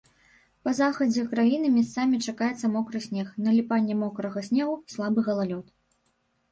Па захадзе краіны месцамі чакаецца мокры снег, наліпанне мокрага снегу, слабы галалёд.